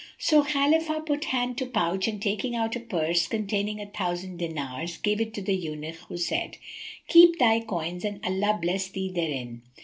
So Khalifah put hand to pouch and taking out a purse containing a thousand dinars, gave it to the Eunuch, who said, "Keep thy coins and Allah bless thee therein!"